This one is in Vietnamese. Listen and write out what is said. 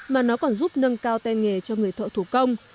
mà nó còn giúp nâng cao tay nghề cho người thợ thủ công